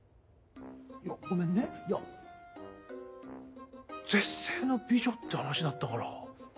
ごめんねいや絶世の美女って話だったから。